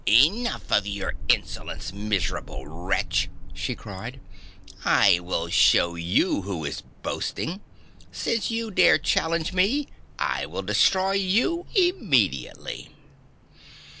"Enough of your insolence, miserable wretch!" she cried. "I will show you who is boasting. Since you dare challenge me, I will destroy you immediately!"